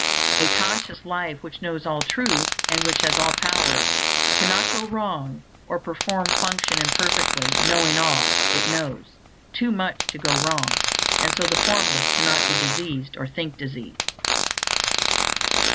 A conscious life which knows all truth and which has all power cannot go wrong or perform function imperfectly; knowing all, it knows, too much to go wrong, and so the Formless cannot be diseased or think disease.